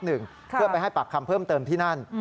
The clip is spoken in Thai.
เพื่อไปให้ปากคำเพิ่มเติมที่นั่น